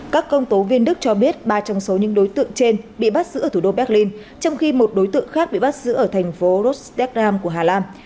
các công tố viên đức cho biết ba trong số những đối tượng trên bị bắt giữ ở thủ đô berlin trong khi một đối tượng khác bị bắt giữ ở thành phố rostdeam của hà lan